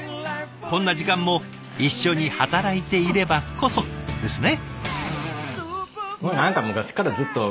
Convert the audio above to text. こんな時間も一緒に働いていればこそですね。